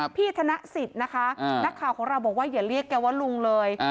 ธนสิทธิ์นะคะนักข่าวของเราบอกว่าอย่าเรียกแกว่าลุงเลย